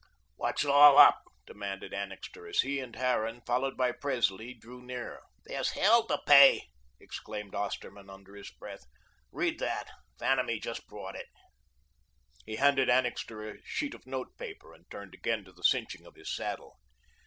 "What's all up?" demanded Annixter, as he and Harran, followed by Presley, drew near. "There's hell to pay," exclaimed Osterman under his breath. "Read that. Vanamee just brought it." He handed Annixter a sheet of note paper, and turned again to the cinching of his saddle.